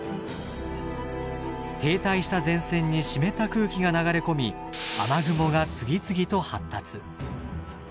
停滞した前線に湿った空気が流れ込み雨雲が次々と発達。